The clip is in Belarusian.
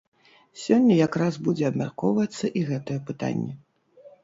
Сёння якраз будзе абмяркоўвацца і гэтае пытанне.